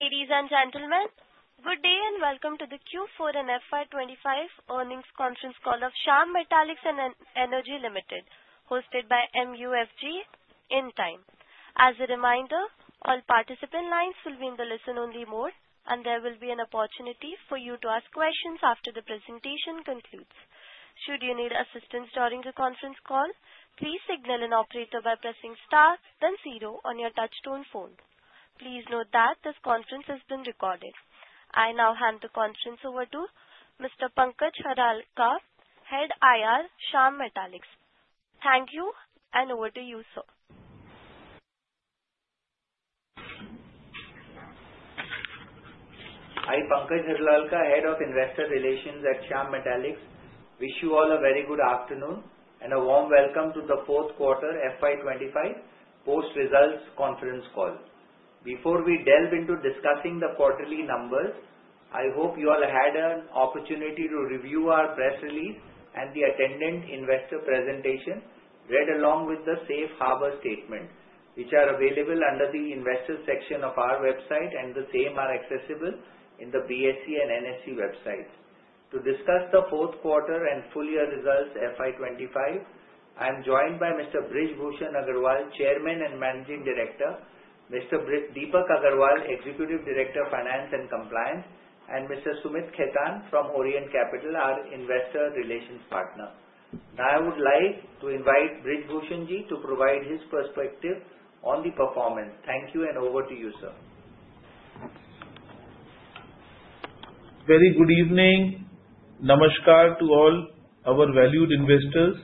Ladies and gentlemen, good day and welcome to the Q4 and FY25 earnings conference call of Shyam Metalics and Energy Limited, hosted by MUFG Intime. As a reminder, all participant lines will be in the listen-only mode, and there will be an opportunity for you to ask questions after the presentation concludes. Should you need assistance during the conference call, please signal an operator by pressing star then zero on your touch-tone phone. Please note that this conference has been recorded. I now hand the conference over to Mr. Pankaj Harlalka, Head IR, Shyam Metalics. Thank you, and over to you, sir. Hi, Pankaj Harlalka, Head of Investor Relations at Shyam Metalics. Wish you all a very good afternoon and a warm welcome to the Q4 FY25 post-results conference call. Before we delve into discussing the quarterly numbers, I hope you all had an opportunity to review our press release and the attendant investor presentation read along with the Safe Harbor Statement, which are available under the investor section of our website and the same are accessible in the BSE and NSE websites. To discuss the Q4 and full year results FY25, I am joined by Mr. Brij Bhushan Agarwal, Chairman and Managing Director, Mr. Deepak Agarwal, Executive Director, Finance and Compliance, and Mr. Sumeet Khaitan from Orient Capital, our investor relations partner. Now, I would like to invite Brij Bhushanji to provide his perspective on the performance. Thank you, and over to you, sir. Very good evening. Namaskar to all our valued investors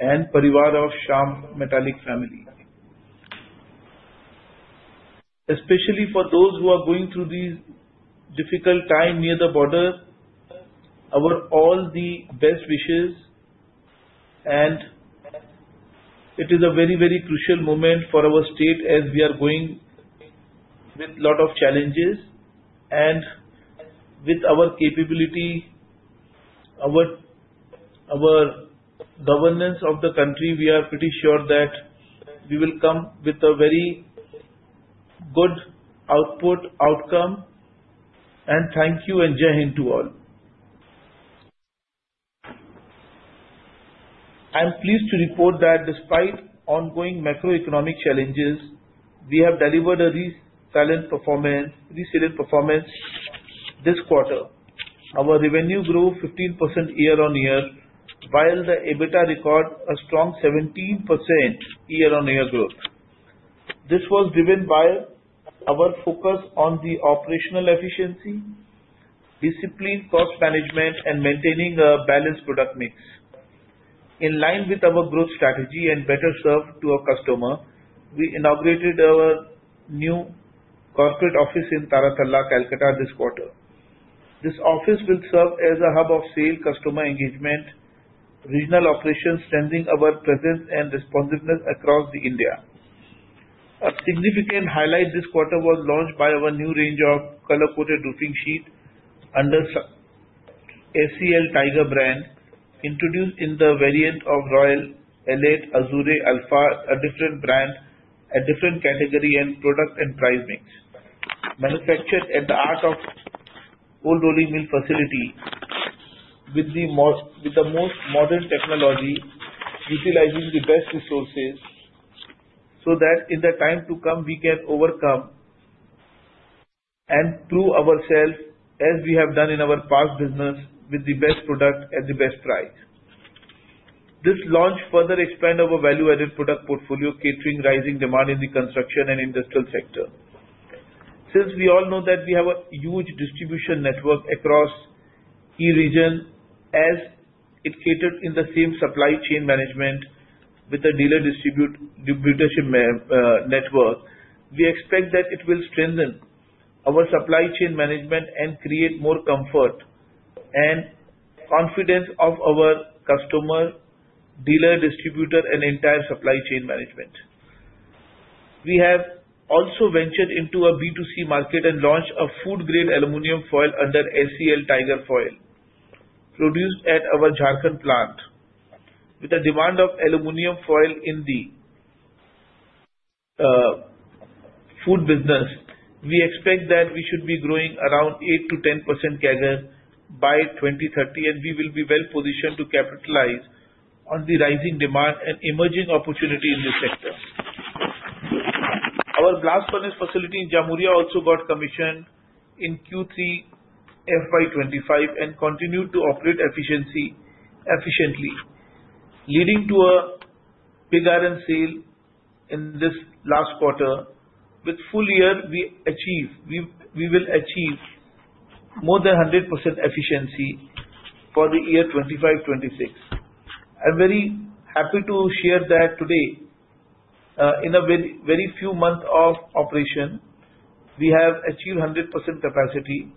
and the Shyam Metalics family. Especially for those who are going through this difficult time near the border, our all the best wishes. And it is a very, very crucial moment for our state as we are going with a lot of challenges. And with our capability, our governance of the country, we are pretty sure that we will come with a very good output outcome. And thank you and Jai Hind to all. I am pleased to report that despite ongoing macroeconomic challenges, we have delivered a resilient performance this quarter. Our revenue grew 15% year on year, while the EBITDA recorded a strong 17% year-on-year growth. This was driven by our focus on the operational efficiency, discipline, cost management, and maintaining a balanced product mix. In line with our growth strategy and better serve to our customers, we inaugurated our new corporate office in Taratala, Kolkata, this quarter. This office will serve as a hub of sales, customer engagement, and regional operations, strengthening our presence and responsiveness across India. A significant highlight this quarter was launched by our new range of color-coated roofing sheets under SEL Tiger brand, introduced in the variant of Royal Elite Azure Alpha, a different brand, a different category, and product and price mix. Manufactured at the heart of an old rolling mill facility with the most modern technology, utilizing the best resources so that in the time to come, we can overcome and prove ourselves, as we have done in our past business, with the best product at the best price. This launch further expanded our value-added product portfolio, catering rising demand in the construction and industrial sector. Since we all know that we have a huge distribution network across the region, as it caters in the same supply chain management with the dealer distribution network, we expect that it will strengthen our supply chain management and create more comfort and confidence of our customers, dealers, distributors, and entire supply chain management. We have also ventured into a B2C market and launched a food-grade aluminum foil under SEL Tiger Foil, produced at our Jharkhand plant. With the demand of aluminum foil in the food business, we expect that we should be growing around 8%-10% CAGR by 2030, and we will be well-positioned to capitalize on the rising demand and emerging opportunities in this sector. Our glass furnace facility in Jamuria also got commissioned in Q3 FY25 and continued to operate efficiently, leading to a bigger sale in this last quarter. With full year, we will achieve more than 100% efficiency for the year 25-26. I'm very happy to share that today. In a very few months of operation, we have achieved 100% capacity,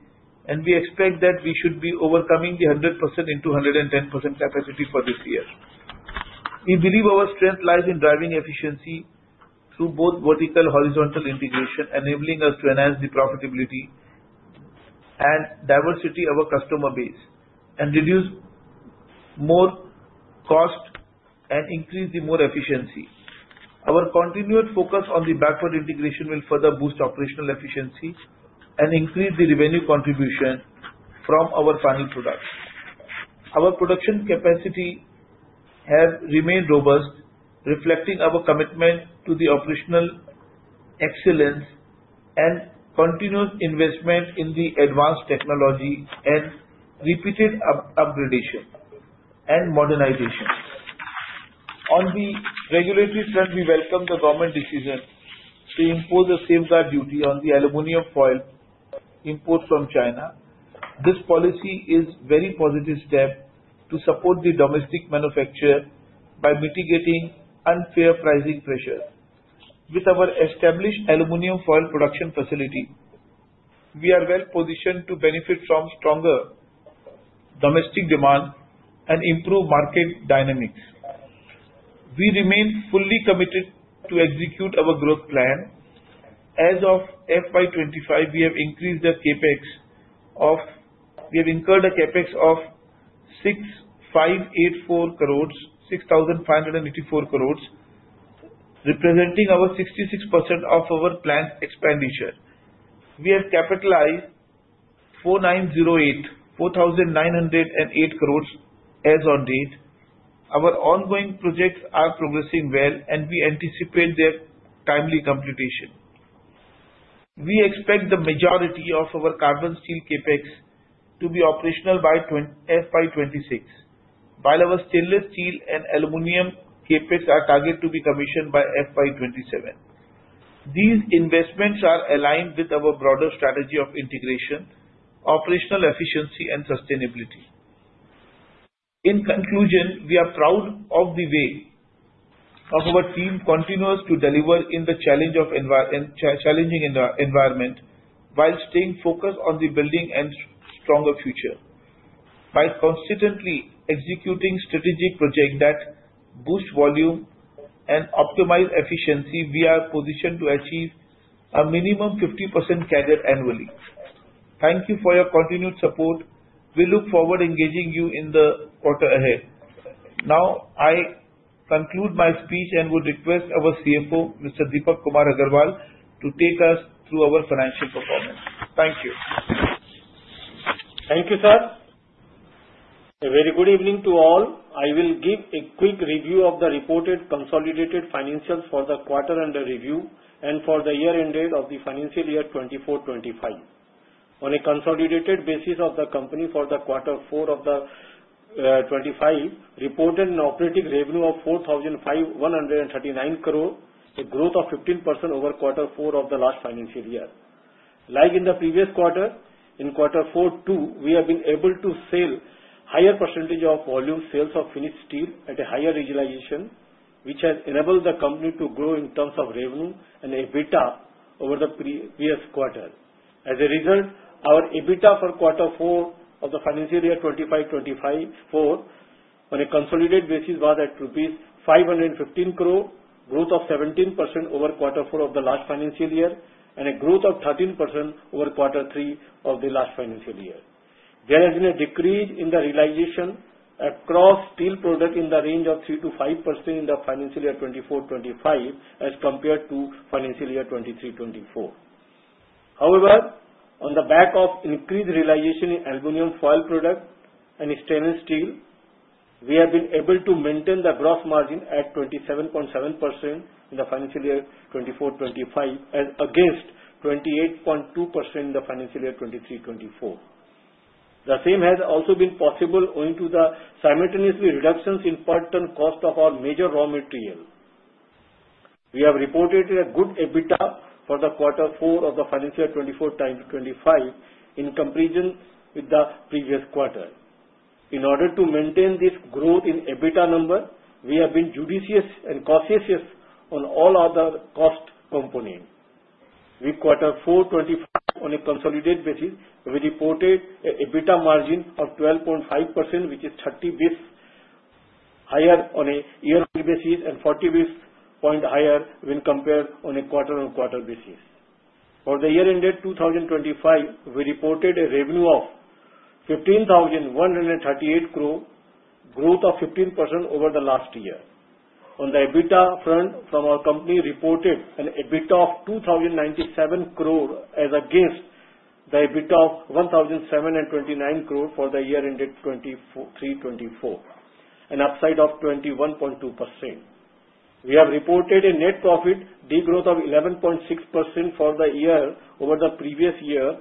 and we expect that we should be overcoming the 100% into 110% capacity for this year. We believe our strength lies in driving efficiency through both vertical and horizontal integration, enabling us to enhance the profitability and diversity of our customer base and reduce more cost and increase the more efficiency. Our continued focus on the backward integration will further boost operational efficiency and increase the revenue contribution from our final products. Our production capacity has remained robust, reflecting our commitment to the operational excellence and continued investment in the advanced technology and repeated upgradation and modernization. On the regulatory front, we welcome the government decision to impose a safeguard duty on the aluminum foil import from China. This policy is a very positive step to support the domestic manufacturer by mitigating unfair pricing pressure. With our established aluminum foil production facility, we are well-positioned to benefit from stronger domestic demand and improve market dynamics. We remain fully committed to execute our growth plan. As of FY25, we have increased the CapEx of. We have incurred a CapEx of 6,584 crores, 6,584 crores, representing over 66% of our planned expenditure. We have capitalized 4,908, 4,908 crores as of date. Our ongoing projects are progressing well, and we anticipate their timely completion. We expect the majority of our carbon steel CapEx to be operational by FY26, while our stainless steel and aluminum CapEx are targeted to be commissioned by FY27. These investments are aligned with our broader strategy of integration, operational efficiency, and sustainability. In conclusion, we are proud of the way our team continues to deliver in the challenging environment while staying focused on building a stronger future. By consistently executing strategic projects that boost volume and optimize efficiency, we are positioned to achieve a minimum of 50% CAGR annually. Thank you for your continued support. We look forward to engaging with you in the quarter ahead. Now, I conclude my speech and would request our CFO, Mr. Deepak Agarwal, to take us through our financial performance. Thank you. Thank you, sir. A very good evening to all. I will give a quick review of the reported consolidated financials for the quarter under review and for the year-end date of the financial year 2024-25. On a consolidated basis of the company for the quarter four of the 25, reported an operating revenue of INR 4,139 crores, a growth of 15% over quarter four of the last financial year. Like in the previous quarter, in Q4 too, we have been able to sell a higher percentage of volume sales of finished steel at a higher utilization, which has enabled the company to grow in terms of revenue and EBITDA over the previous quarter. As a result, our EBITDA for Q4 of the financial year 24-25, on a consolidated basis, was at 515 crores rupees, a growth of 17% over Q4 of the last financial year, and a growth of 13% over Q3 of the last financial year. There has been a decrease in the realization across steel products in the range of 3%-5% in the financial year 24-25 as compared to financial year 23-24. However, on the back of increased realization in aluminum foil products and stainless steel, we have been able to maintain the gross margin at 27.7% in the financial year 24-25, against 28.2% in the financial year 23-24. The same has also been possible owing to the simultaneous reductions in the per ton cost of our major raw materials. We have reported a good EBITDA for the Q4 of the financial year 2024-25 in comparison with the previous quarter. In order to maintain this growth in EBITDA number, we have been judicious and cautious on all other cost components. With Q4-25, on a consolidated basis, we reported an EBITDA margin of 12.5%, which is 30 basis points higher on a yearly basis and 40 basis points higher when compared on a quarter-on-quarter basis. For the year-end date 2025, we reported a revenue of 15,138 crores, a growth of 15% over the last year. On the EBITDA front, our company reported an EBITDA of 2,097 crores against the EBITDA of 1,729 crores for the year-end date 2023-24, an upside of 21.2%. We have reported a net profit degrowth of 11.6% for the year over the previous year,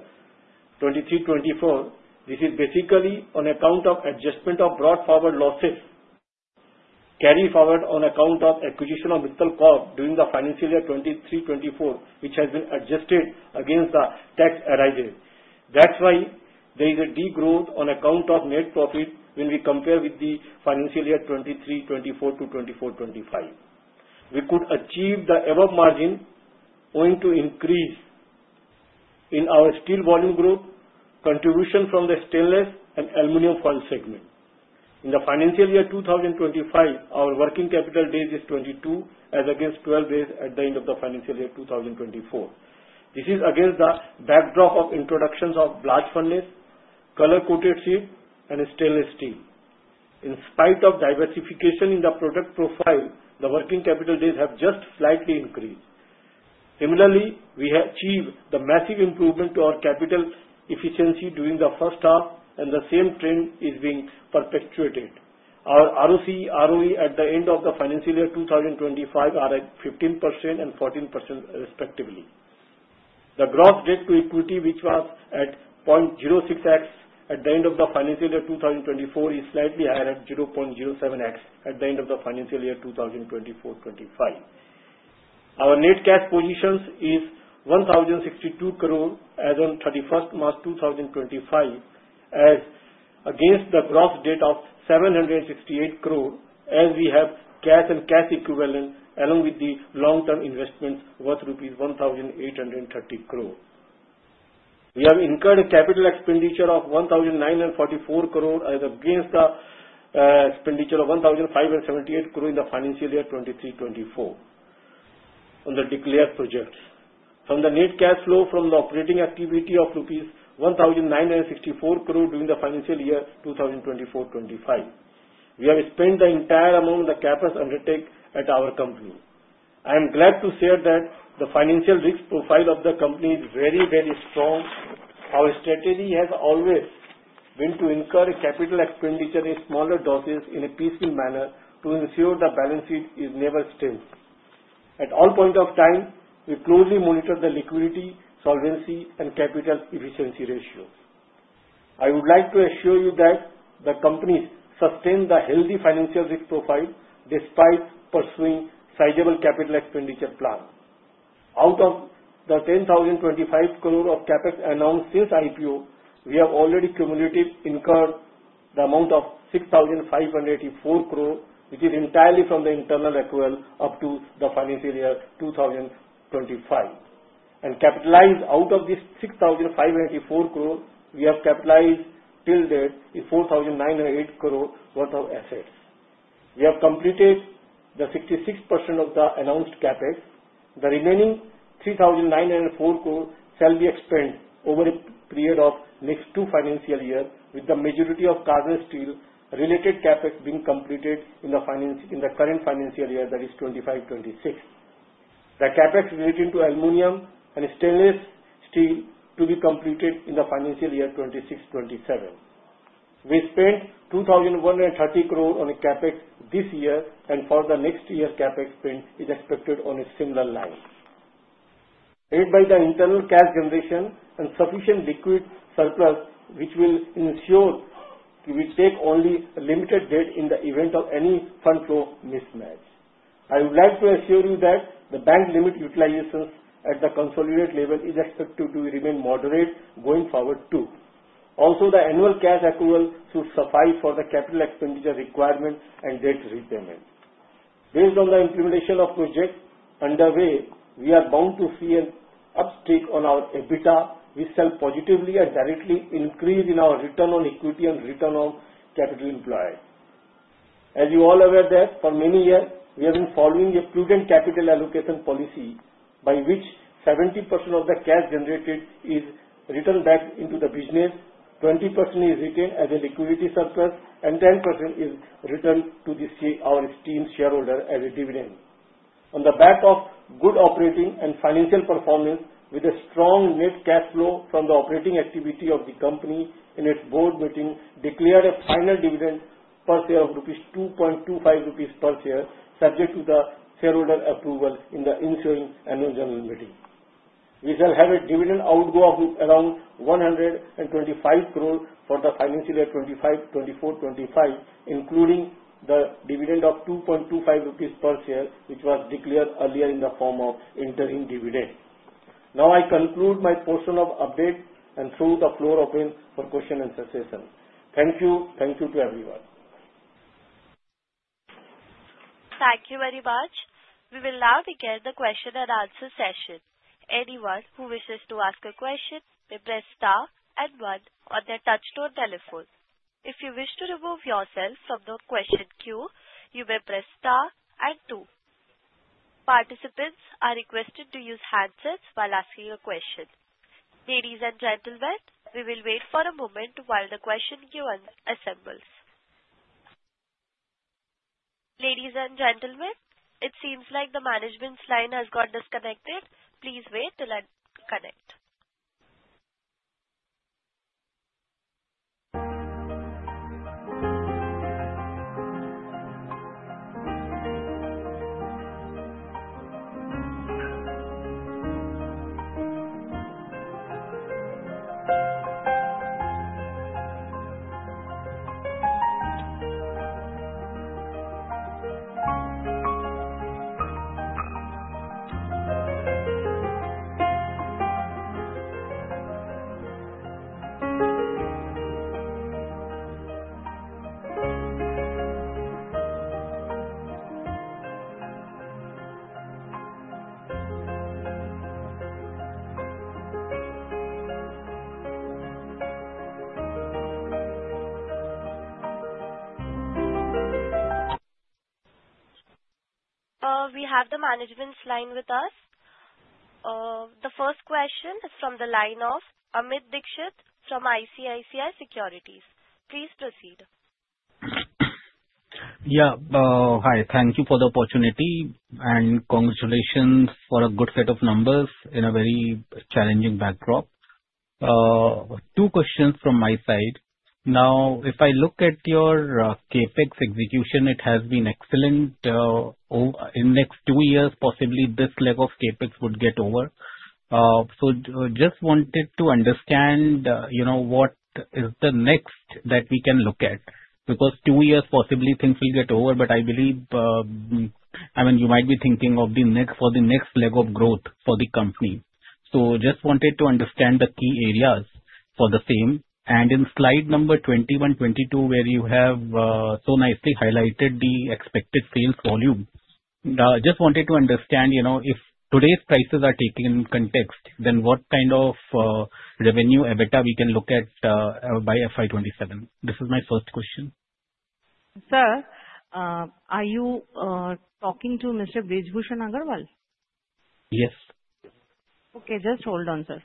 2023-24. This is basically on account of adjustment of brought forward losses carried forward on account of acquisition of Mittal Corp during the financial year 2023-24, which has been adjusted against the tax assets. That's why there is a degrowth on account of net profit when we compare with the financial year 2023-24 to 2024-25. We could achieve the above margin owing to increase in our steel volume growth, contribution from the stainless and aluminum foil segment. In the financial year 2025, our working capital days are 22, against 12 days at the end of the financial year 2024. This is against the backdrop of introductions of large furnace, color-coated sheet, and stainless steel. In spite of diversification in the product profile, the working capital days have just slightly increased. Similarly, we have achieved the massive improvement to our capital efficiency during the first half, and the same trend is being perpetuated. Our ROCE/ROE at the end of the financial year 2025 are at 15% and 14%, respectively. The gross debt to equity, which was at 0.06x at the end of the financial year 2024, is slightly higher at 0.07x at the end of the financial year 2024-25. Our net cash positions are ₹1,062 crores as of 31st March 2025, against the gross debt of ₹768 crores, as we have cash and cash equivalent along with the long-term investments worth ₹1,830 crores. We have incurred a capital expenditure of ₹1,944 crores against the expenditure of ₹1,578 crores in the financial year 2023-24 on the declared projects. From the net cash flow from the operating activity of rupees 1,964 crores during the financial year 2024-25, we have spent the entire amount of the CapEx undertaken at our company. I am glad to share that the financial risk profile of the company is very, very strong. Our strategy has always been to incur capital expenditure in smaller doses in a peaceful manner to ensure the balance sheet is never strained. At all points of time, we closely monitor the liquidity, solvency, and capital efficiency ratios. I would like to assure you that the company sustains the healthy financial risk profile despite pursuing sizable capital expenditure plans. Out of the 10,025 crores of CapEx announced since IPO, we have already cumulatively incurred the amount of 6,584 crores, which is entirely from the internal accrual up to the financial year 2025. Capitalized out of this ₹6,584 crores, we have capitalized till date ₹4,908 crores worth of assets. We have completed the 66% of the announced CapEx. The remaining ₹3,904 crores shall be expended over a period of the next two financial years, with the majority of carbon steel-related CapEx being completed in the current financial year, that is 2025-26. The CapEx relating to aluminum and stainless steel is to be completed in the financial year 2026-27. We spent ₹2,130 crores on CapEx this year, and for the next year, CapEx spend is expected on a similar line. Aided by the internal cash generation and sufficient liquid surplus, which will ensure we take only limited debt in the event of any fund flow mismatch. I would like to assure you that the bank limit utilization at the consolidated level is expected to remain moderate going forward too. Also, the annual cash accrual should suffice for the capital expenditure requirement and debt repayment. Based on the implementation of projects underway, we are bound to see an uptick on our EBITDA, which shall positively and directly increase our return on equity and return on capital employed. As you all are aware that for many years, we have been following a prudent capital allocation policy, by which 70% of the cash generated is returned back into the business, 20% is retained as a liquidity surplus, and 10% is returned to our esteemed shareholder as a dividend. On the back of good operating and financial performance, with a strong net cash flow from the operating activity of the company in its board meeting, we declared a final dividend per share of 2.25 rupees per share, subject to the shareholder approval in the ensuing annual general meeting. We shall have a dividend outgo of around 125 crores for the financial year 2024-25, including the dividend of 2.25 rupees per share, which was declared earlier in the form of interim dividend. Now, I conclude my portion of updates and throw the floor open for questions and suggestions. Thank you. Thank you to everyone. Thank you, everyone. We will now begin the question and answer session. Anyone who wishes to ask a question may press star and one on their touch-tone telephone. If you wish to remove yourself from the question queue, you may press star and two. Participants are requested to use handsets while asking a question. Ladies and gentlemen, we will wait for a moment while the question queue assembles. Ladies and gentlemen, it seems like the management's line has got disconnected. Please wait till I connect. We have the management's line with us. The first question is from the line of Amit Dixit from ICICI Securities. Please proceed. Yeah. Hi. Thank you for the opportunity and congratulations for a good set of numbers in a very challenging backdrop. Two questions from my side. Now, if I look at your CAPEX execution, it has been excellent. In the next two years, possibly this leg of CAPEX would get over. So just wanted to understand what is the next that we can look at. Because two years, possibly things will get over, but I believe, I mean, you might be thinking of the next leg of growth for the company. So just wanted to understand the key areas for the same. And in slide number 21-22, where you have so nicely highlighted the expected sales volume, just wanted to understand if today's prices are taken in context, then what kind of revenue EBITDA we can look at by FY27. This is my first question. Sir, are you talking to Mr. Brij Bhushan Agarwal? Yes. Okay. Just hold on, sir.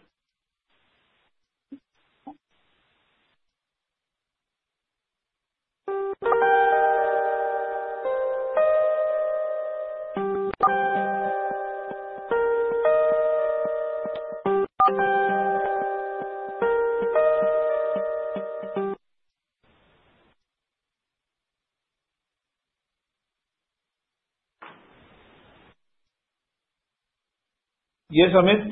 Yes, Amit.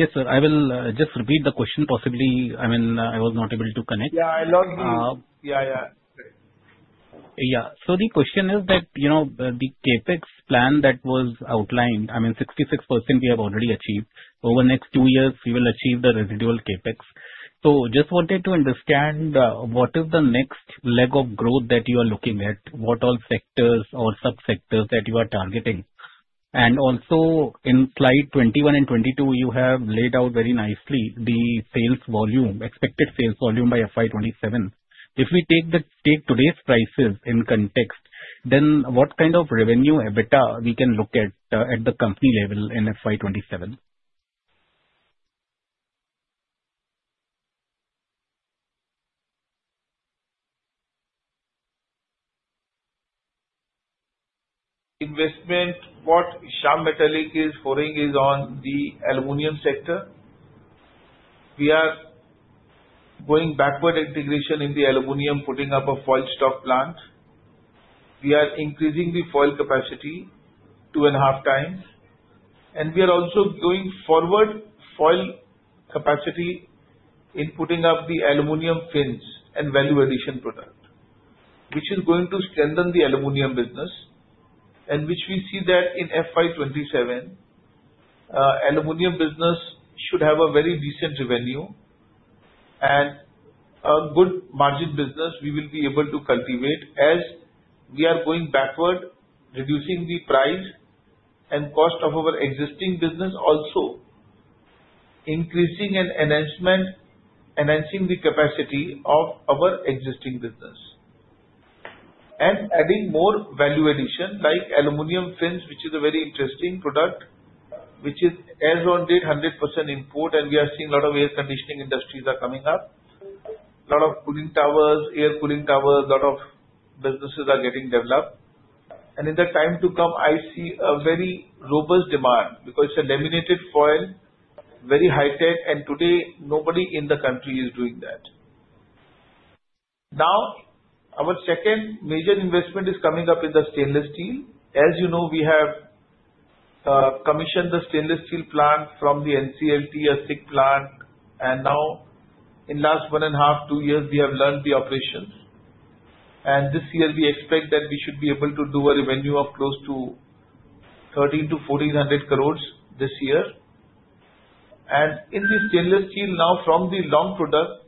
Yes, sir. I will just repeat the question. Possibly, I mean, I was not able to connect. Yeah. I lost you. Yeah. Yeah. Yeah. So the question is that the CAPEX plan that was outlined, I mean, 66% we have already achieved. Over the next two years, we will achieve the residual CAPEX. So just wanted to understand what is the next leg of growth that you are looking at, what all sectors or subsectors that you are targeting. And also, in slide 21 and 22, you have laid out very nicely the expected sales volume by FY27. If we take today's prices in context, then what kind of revenue EBITDA we can look at at the company level in FY27? investment what Shyam Metalics is focusing on is on the aluminum sector. We are going backward integration in the aluminum, putting up a foil stock plant. We are increasing the foil capacity two and a half times. We are also going forward in foil capacity, putting up the aluminum fins and value-added product, which is going to strengthen the aluminum business, which we see that in FY27, the aluminum business should have a very decent revenue and a good margin business we will be able to cultivate as we are going backward, reducing the price and cost of our existing business, also increasing and enhancing the capacity of our existing business, adding more value-added like aluminum fins, which is a very interesting product, which is, as on date, 100% import. We are seeing a lot of air conditioning industries are coming up, a lot of cooling towers, air cooling towers, a lot of businesses are getting developed. In the time to come, I see a very robust demand because it's a laminated foil, very high tech, and today, nobody in the country is doing that. Now, our second major investment is coming up in the stainless steel. As you know, we have commissioned the stainless steel plant from the NCLT, a sick plant, and now, in the last one and a half, two years, we have learned the operations. This year, we expect that we should be able to do a revenue of close to 1,300-1,400 crores this year. In this stainless steel, now from the long product,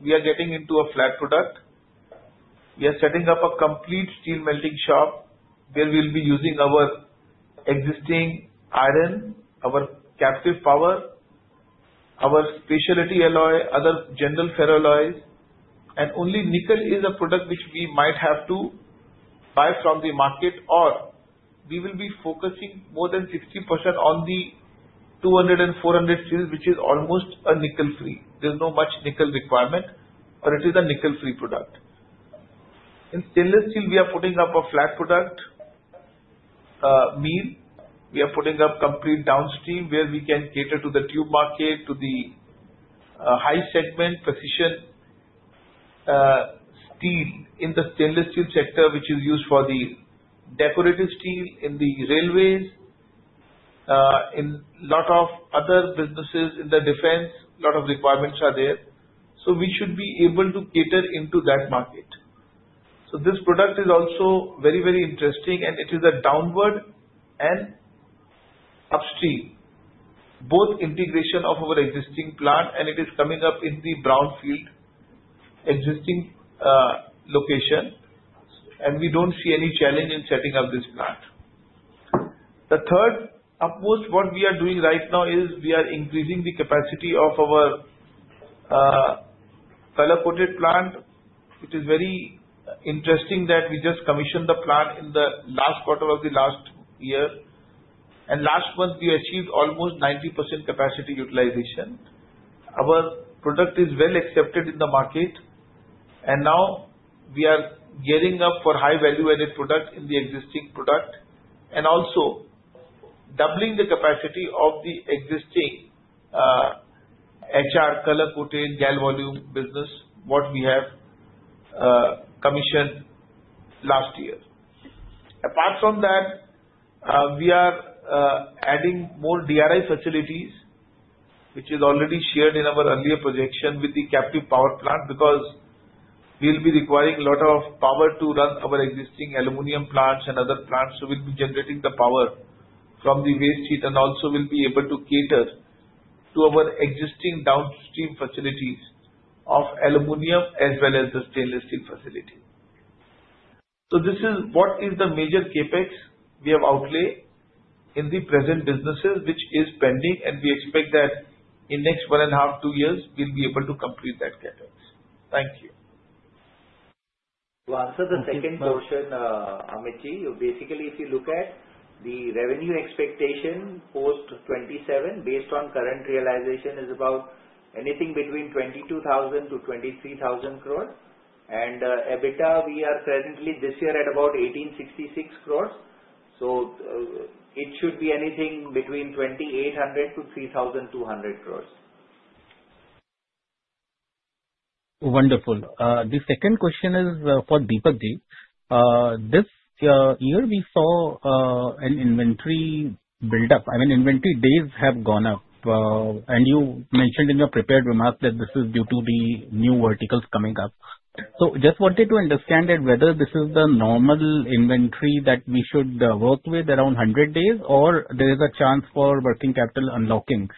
we are getting into a flat product. We are setting up a complete steel melting shop where we'll be using our existing iron, our captive power, our specialty alloy, other general ferro alloys, and only nickel is a product which we might have to buy from the market, or we will be focusing more than 60% on the 200 and 400 steel, which is almost nickel-free. There's not much nickel requirement, but it is a nickel-free product. In stainless steel, we are putting up a flat product mill. We are putting up complete downstream where we can cater to the tube market, to the high segment precision steel in the stainless steel sector, which is used for the decorative steel in the railways, in a lot of other businesses in the defense. A lot of requirements are there. So we should be able to cater to that market. So this product is also very, very interesting, and it is a downstream and upstream both integration of our existing plant, and it is coming up in the brownfield existing location. And we don't see any challenge in setting up this plant. The third, of course, what we are doing right now is we are increasing the capacity of our color-coated plant. It is very interesting that we just commissioned the plant in the last quarter of the last year. And last month, we achieved almost 90% capacity utilization. Our product is well accepted in the market. And now, we are gearing up for high value-added product in the existing product and also doubling the capacity of the existing HR color-coated Galvalume business, what we have commissioned last year. Apart from that, we are adding more DRI facilities, which is already shared in our earlier projection with the captive power plant because we'll be requiring a lot of power to run our existing aluminum plants and other plants. So we'll be generating the power from the waste heat and also will be able to cater to our existing downstream facilities of aluminum as well as the stainless steel facility. So this is what is the major CapEx we have outlined in the present businesses, which is pending, and we expect that in the next one and a half, two years, we'll be able to complete that CapEx. Thank you. To answer the second portion, Amitji, basically, if you look at the revenue expectation post 2027, based on current realization, is about anything between 22,000-23,000 crores. And EBITDA, we are presently this year at about 1,866 crores. So it should be anything between 2,800-3,200 crores. Wonderful. The second question is for Deepakji. This year, we saw an inventory build-up. I mean, inventory days have gone up. And you mentioned in your prepared remarks that this is due to the new verticals coming up. So just wanted to understand whether this is the normal inventory that we should work with around 100 days, or there is a chance for working capital unlocking,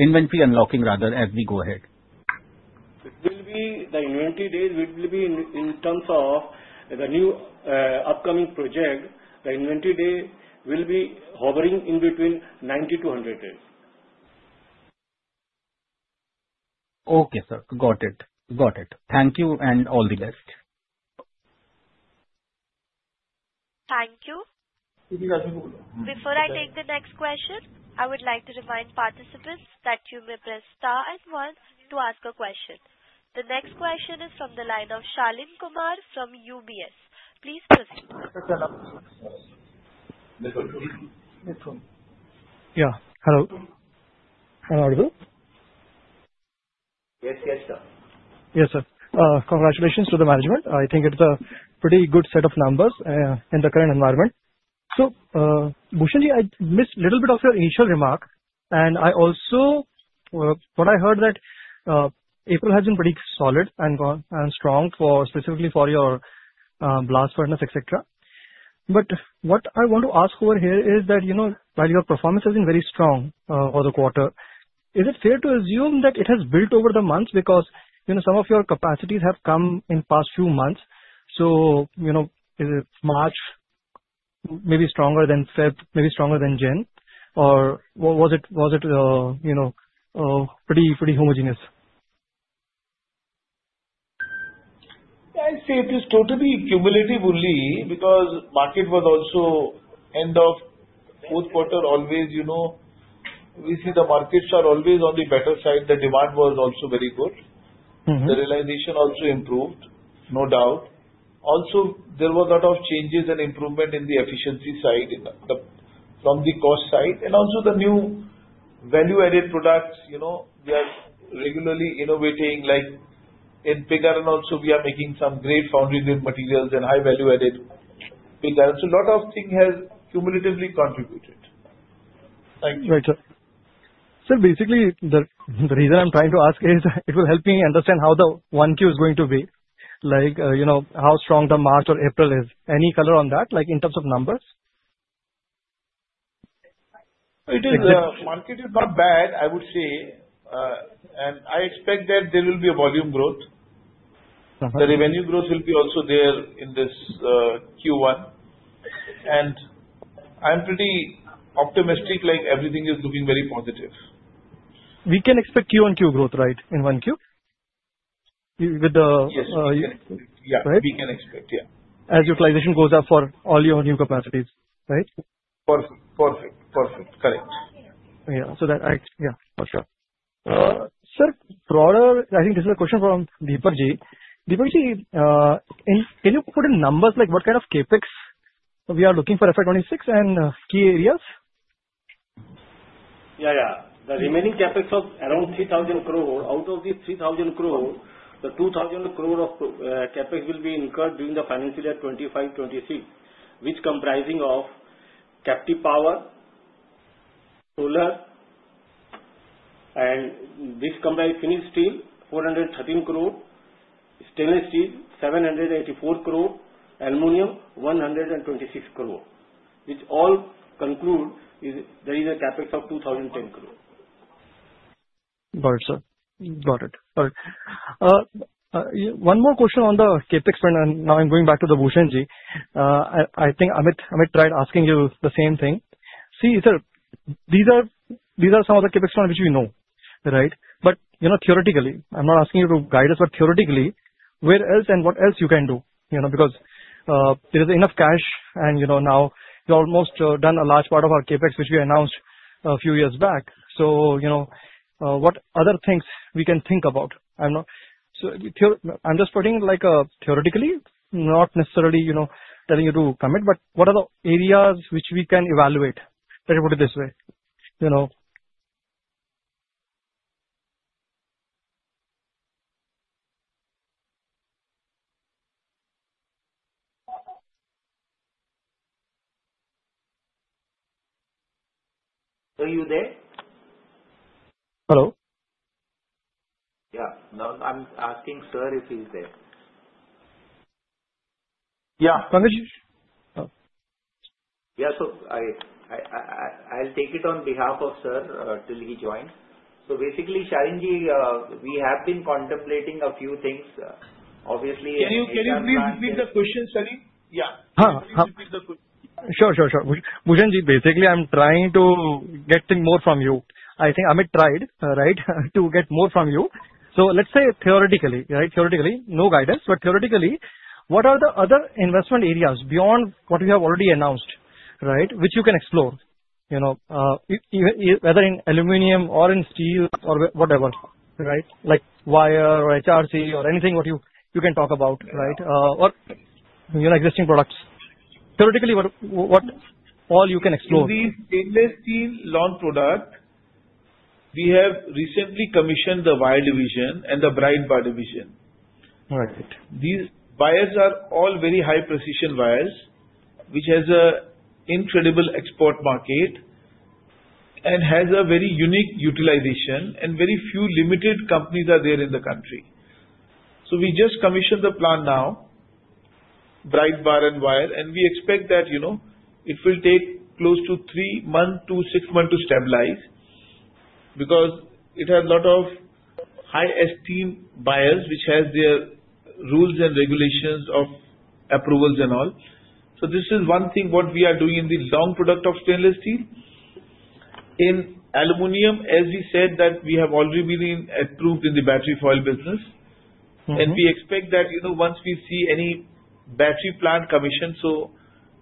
inventory unlocking, rather, as we go ahead. The inventory days will be in terms of the new upcoming project. The inventory day will be hovering in between 90-100 days. Okay, sir. Got it. Got it. Thank you and all the best. Thank you. Before I take the next question, I would like to remind participants that you may press star and one to ask a question. The next question is from the line of Shaleen Kumar from UBS. Please proceed. Yeah. Hello. Hello? Yes. Yes, sir. Yes, sir. Congratulations to the management. I think it's a pretty good set of numbers in the current environment, so Bhushanji, I missed a little bit of your initial remark. And I also, what I heard, that April has been pretty solid and strong specifically for your blast furnace, etc. But what I want to ask over here is that while your performance has been very strong for the quarter, is it fair to assume that it has built over the months because some of your capacities have come in the past few months? So is March maybe stronger than February, maybe stronger than January, or was it pretty homogeneous? I'd say it is totally cumulative only because the market was also end of Q4 always. We see the markets are always on the better side. The demand was also very good. The realization also improved, no doubt. Also, there were a lot of changes and improvement in the efficiency side from the cost side. And also, the new value-added products, we are regularly innovating like in pig iron. Also, we are making some great foundry materials and high value-added pig iron. So a lot of things have cumulatively contributed. Thank you. Sir, basically, the reason I'm trying to ask is it will help me understand how the one Q is going to be, like how strong the March or April is. Any color on that in terms of numbers? It is. The market is not bad, I would say. And I expect that there will be a volume growth. The revenue growth will be also there in this Q1. And I'm pretty optimistic like everything is looking very positive. We can expect Q1 QoQ growth, right, in 1Q? Yes. Yeah. We can expect. Yeah. As utilization goes up for all your new capacities, right? Perfect. Perfect. Perfect. Correct. Yeah. So that, yeah, for sure. Sir, broader, I think this is a question from Deepakji. Deepakji, can you put in numbers like what kind of CAPEX we are looking for FY26 and key areas? Yeah. The remaining CAPEX of around 3,000 crores, out of these 3,000 crores, the 2,000 crores of CAPEX will be incurred during the financial year 2025-2026, which comprising of captive power, solar, and this combined finished steel, 413 crores, stainless steel, 784 crores, aluminum, 126 crores, which all conclude there is a CAPEX of 2,010 crores. Got it. Got it. All right. One more question on the CapEx, and now I'm going back to the Bhushanji. I think Amit tried asking you the same thing. See, sir, these are some of the CapEx funds which we know, right? But theoretically, I'm not asking you to guide us, but theoretically, where else and what else you can do? Because there is enough cash, and now you've almost done a large part of our CapEx, which we announced a few years back. So what other things we can think about? So I'm just putting it like theoretically, not necessarily telling you to comment, but what are the areas which we can evaluate? Let me put it this way. Are you there? Hello? Yeah. Now, I'm asking sir if he's there. Yeah. Yeah. So I'll take it on behalf of sir till he joins. So basically, Shyamji, we have been contemplating a few things. Obviously. Can you please repeat the question, Shyam? Yeah. Sure. Bhushanji, basically, I'm trying to get more from you. I think Amit tried, right, to get more from you. So let's say theoretically, right, theoretically, no guidance, but theoretically, what are the other investment areas beyond what we have already announced, right, which you can explore, whether in aluminum or in steel or whatever, right, like wire or HRC or anything what you can talk about, right, or existing products? Theoretically, what all you can explore? In the stainless steel long product, we have recently commissioned the wire division and the bright bar division. All right. These wires are all very high precision wires, which has an incredible export market and has a very unique utilization, and very few limited companies are there in the country, so we just commissioned the plant now, Bright Bar and wire, and we expect that it will take close to three months to six months to stabilize because it has a lot of high-end buyers, which has their rules and regulations of approvals and all, so this is one thing what we are doing in the long product of stainless steel. In aluminum, as we said, that we have already been approved in the battery foil business. We expect that once we see any battery plant commissioned, so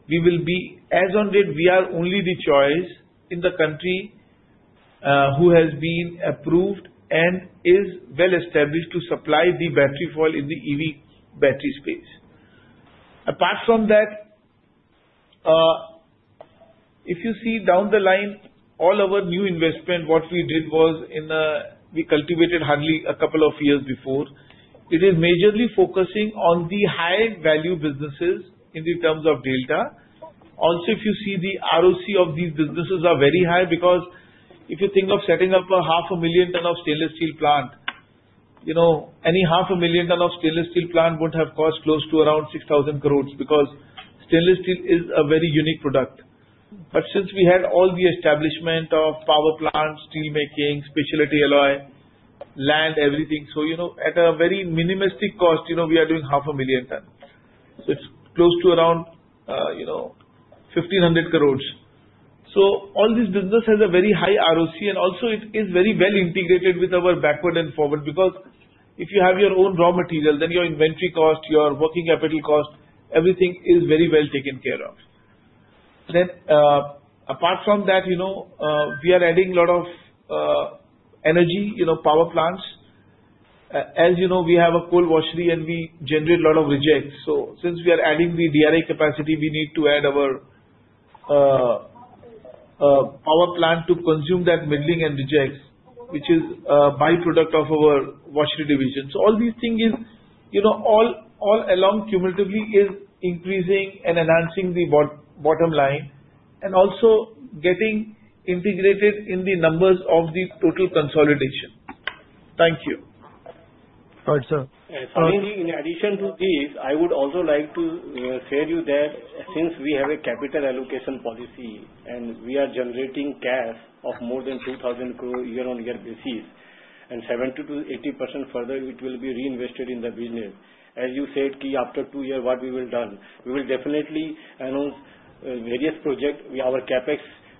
we will be as on date. We are only the choice in the country who has been approved and is well established to supply the battery foil in the EV battery space. Apart from that, if you see down the line, all our new investment, what we did was we cultivated hardly a couple of years before. It is majorly focusing on the high-value businesses in the terms of delta. Also, if you see the ROCE of these businesses are very high because if you think of setting up a 500,000-ton stainless steel plant, any 500,000-ton stainless steel plant would have cost close to around 6,000 crores because stainless steel is a very unique product. But since we had all the establishment of power plants, steel making, specialty alloy, land, everything, so at a very minimalistic cost, we are doing 500,000 tons. So it's close to around 1,500 crores. So all this business has a very high ROCE, and also, it is very well integrated with our backward and forward because if you have your own raw material, then your inventory cost, your working capital cost, everything is very well taken care of. Then apart from that, we are adding a lot of energy, power plants. As you know, we have a coal washery, and we generate a lot of rejects. So since we are adding the DRI capacity, we need to add our power plant to consume that middlings and rejects, which is a byproduct of our washery division. So all these things all along cumulatively is increasing and enhancing the bottom line and also getting integrated in the numbers of the total consolidation. Thank you. All right, sir. In addition to this, I would also like to share you that since we have a capital allocation policy and we are generating cash of more than 2,000 crores year-on-year basis and 70%-80% further, it will be reinvested in the business. As you said, after two years, what we will done, we will definitely announce various projects. Our CAPEX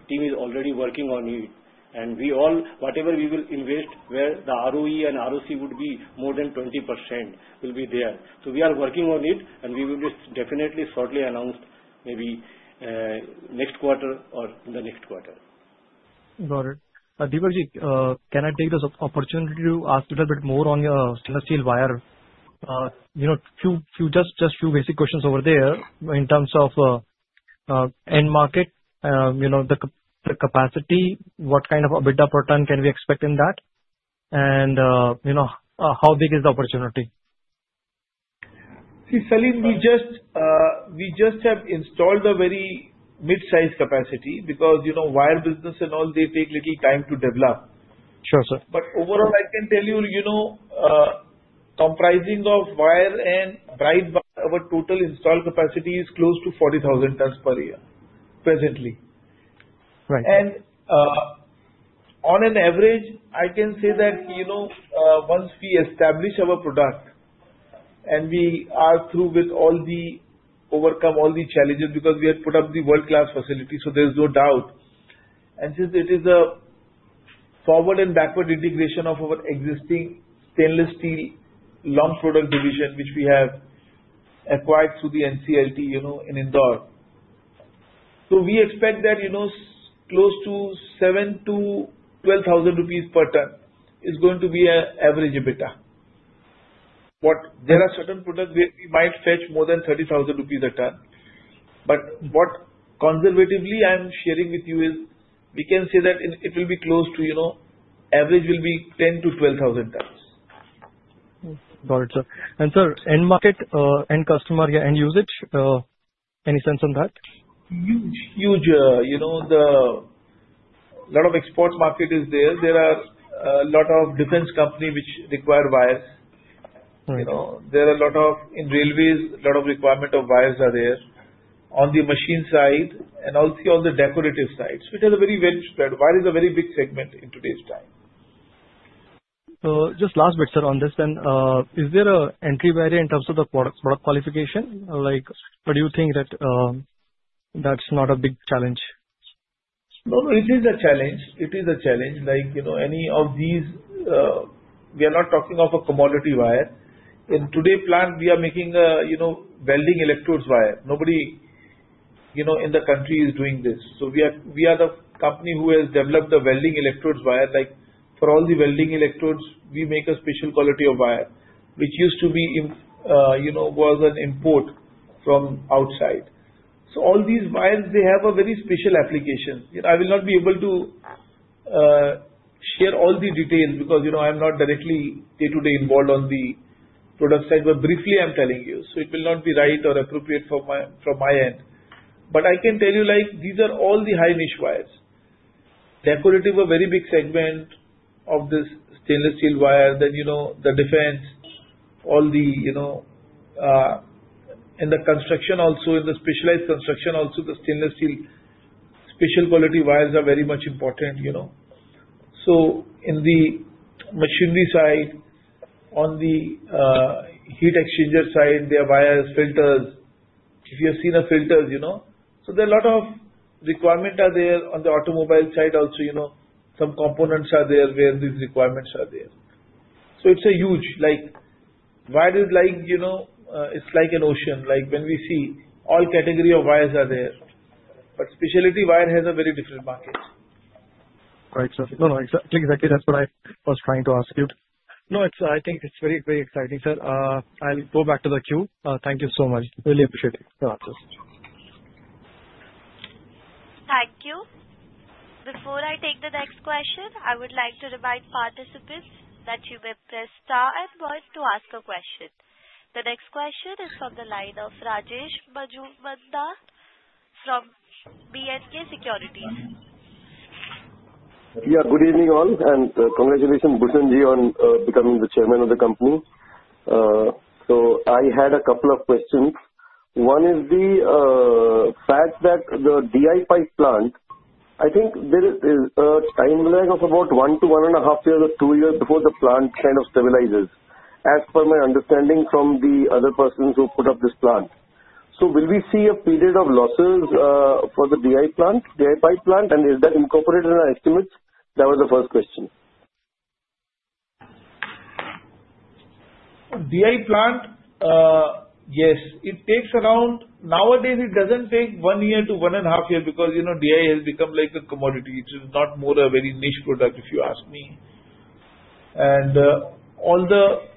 team is already working on it, and whatever we will invest, the ROE and ROCE would be more than 20% will be there, so we are working on it, and we will definitely shortly announce maybe next quarter or in the next quarter. Got it. Deepakji, can I take this opportunity to ask a little bit more on your stainless steel wire? Just a few basic questions over there in terms of end market, the capacity, what kind of EBITDA per ton can we expect in that, and how big is the opportunity? See, Shyamji, we just have installed a very mid-size capacity because wire business and all, they take little time to develop. Sure, sir. But overall, I can tell you, comprising of wire and bright bar, our total installed capacity is close to 40,000 tons per year presently. And on an average, I can say that once we establish our product and we are through with all the challenges because we have put up the world-class facility, so there's no doubt. And since it is a forward and backward integration of our existing stainless steel long product division, which we have acquired through the NCLT in Indore, so we expect that close to 7,000-12,000 rupees per ton is going to be an average EBITDA. There are certain products where we might fetch more than 30,000 rupees a ton. But what conservatively I'm sharing with you is we can say that the average will be 10-12 thousand tons. Got it, sir. And sir, end market, end customer, end usage, any sense on that? Huge. There's a lot of export market there. There are a lot of defense companies which require wires. There are a lot of in railways, a lot of requirement of wires are there on the machine side and also on the decorative sides, which are very well spread. Wire is a very big segment in today's time. So just last bit, sir, on this then, is there an entry barrier in terms of the product qualification? What do you think that that's not a big challenge? No, no. It is a challenge. It is a challenge. Any of these, we are not talking of a commodity wire. In today's plant, we are making welding electrode wire. Nobody in the country is doing this. So we are the company who has developed the welding electrode wire. For all the welding electrodes, we make a special quality of wire, which used to be an import from outside. So all these wires, they have a very special application. I will not be able to share all the details because I'm not directly day-to-day involved on the product side, but briefly, I'm telling you. So it will not be right or appropriate from my end. But I can tell you these are all the high-niche wires. Decorative are a very big segment of this stainless steel wire. Then the defense, all the in the construction, also in the specialized construction, also the stainless steel special quality wires are very much important. So in the machinery side, on the heat exchanger side, there are wires, filters. If you have seen the filters, so there are a lot of requirements are there on the automobile side also. Some components are there where these requirements are there. So it's a huge wire is like it's like an ocean. When we see all categories of wires are there. But specialty wire has a very different market. Right, sir. No, no. Exactly. Exactly. That's what I was trying to ask you. No, sir, I think it's very, very exciting, sir. I'll go back to the queue. Thank you so much. Really appreciate your answers. Thank you. Before I take the next question, I would like to remind participants that you may press star and voice to ask a question. The next question is from the line of Rajesh Majumdar from B&K Securities. Yeah. Good evening all. And congratulations, Bhushanji, on becoming the chairman of the company. So I had a couple of questions. One is the fact that the DI pipe plant. I think there is a timeline of about one to one and a half years or two years before the plant kind of stabilizes, as per my understanding from the other persons who put up this plant. So will we see a period of losses for the DI pipe plant? And is that incorporated in our estimates? That was the first question. DI plant, yes. It takes around nowadays. It doesn't take one year to one and a half years because DI has become like a commodity. It is not more a very niche product, if you ask me. And all the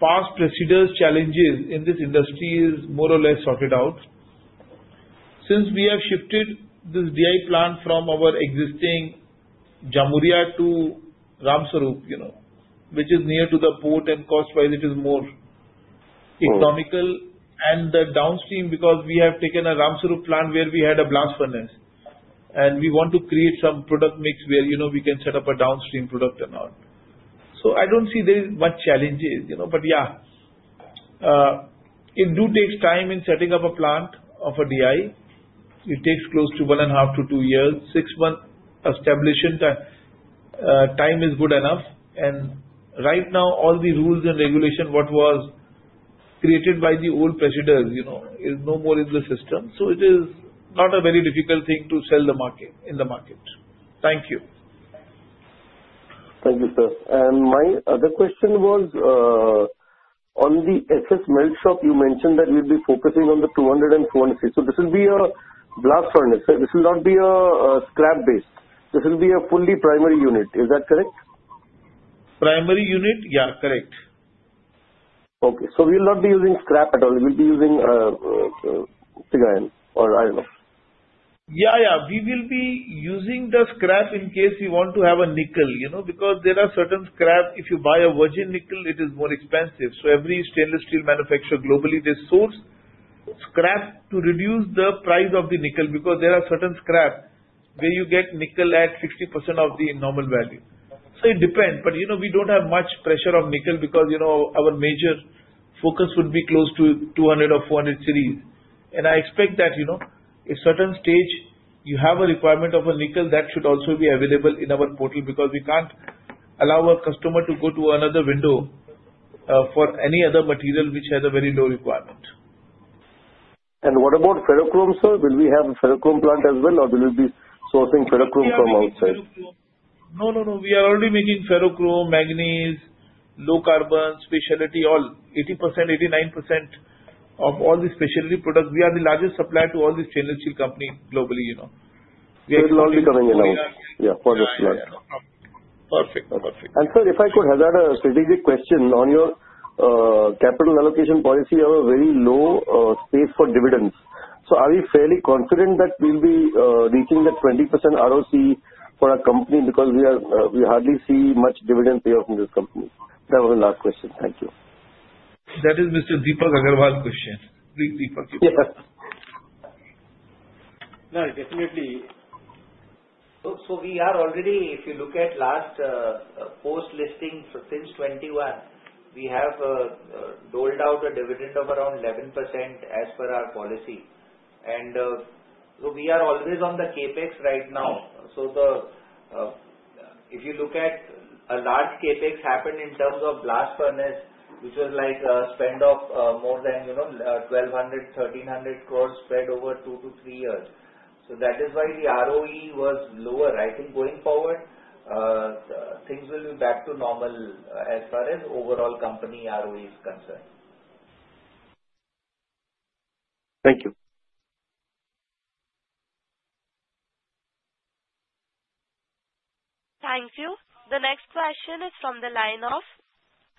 past procedural challenges in this industry is more or less sorted out. Since we have shifted this DI plant from our existing Jamuria to Ramsarup, which is near to the port, and cost-wise, it is more economical. And the downstream, because we have taken a Ramsarup plant where we had a blast furnace, and we want to create some product mix where we can set up a downstream product and all. So I don't see there is much challenges. But yeah, it do takes time in setting up a plant of a DI. It takes close to one and a half to two years. Six-month establishment time is good enough. And right now, all the rules and regulations what was created by the old procedures is no more in the system. So it is not a very difficult thing to sell in the market. Thank you. Thank you, sir. And my other question was, on the SS Melt Shop, you mentioned that you'll be focusing on the 200 and 200. So this will be a blast furnace, right? This will not be a scrap base. This will be a fully primary unit. Is that correct? Primary unit, yeah. Correct. We will not be using scrap at all. We'll be using sponge iron. Yeah, yeah. We will be using the scrap in case we want to have a nickel because there are certain scrap. If you buy a virgin nickel, it is more expensive. So every stainless steel manufacturer globally, they source scrap to reduce the price of the nickel because there are certain scrap where you get nickel at 60% of the normal value. So it depends. But we don't have much pressure on nickel because our major focus would be close to 200 or 400 series. And I expect that at certain stage, you have a requirement of a nickel that should also be available in our portal because we can't allow our customer to go to another window for any other material which has a very low requirement. What about ferrochrome, sir? Will we have a ferrochrome plant as well, or will we be sourcing ferrochrome from outside? No, no, no. We are already making ferrochrome, manganese, low carbon, specialty, all 80%, 89% of all the specialty products. We are the largest supplier to all these stainless steel companies globally. We'll all be coming along. Yeah, for this plant. Perfect. Sir, if I could, I got a strategic question. On your capital allocation policy, you have a very low space for dividends. So are we fairly confident that we'll be reaching the 20% ROCE for a company because we hardly see much dividend payout from this company? That was the last question. Thank you. That is Mr. Deepak Agarwal's question. Deepak, you can. Yeah. No, definitely. So we are already, if you look at last post-listing since 2021, we have doled out a dividend of around 11% as per our policy, and so we are always on the CAPEX right now, so if you look at a large CAPEX happened in terms of blast furnace, which was like a spend of more than 1,200-1,300 crores spread over two to three years, so that is why the ROE was lower. I think going forward, things will be back to normal as far as overall company ROE is concerned. Thank you. Thank you. The next question is from the line of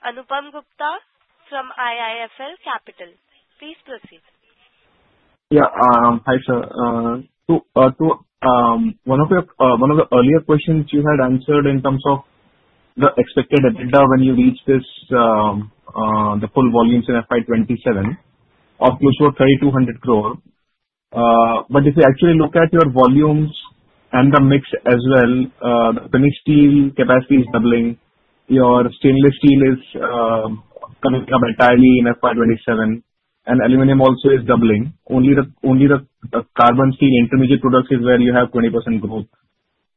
Anupam Gupta from IIFL Capital. Please proceed. Yeah. Hi, sir. One of the earlier questions you had answered in terms of the expected EBITDA when you reach the full volumes in FY 27 of close to 3,200 crores. But if you actually look at your volumes and the mix as well, the finished steel capacity is doubling. Your stainless steel is coming up entirely in FY 27. And aluminum also is doubling. Only the carbon steel intermediate products is where you have 20% growth